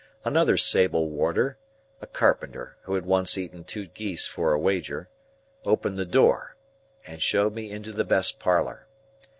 Another sable warder (a carpenter, who had once eaten two geese for a wager) opened the door, and showed me into the best parlour.